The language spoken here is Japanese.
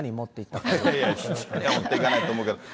いやいや、質屋には持っていかないと思うけど。